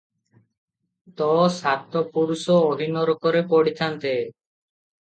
ତୋ ସାତ ପୁରୁଷ ଅହିନରକରେ ପଡ଼ିଥାନ୍ତେ ।